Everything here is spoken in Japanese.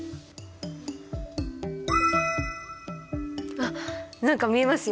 あっ何か見えますよ！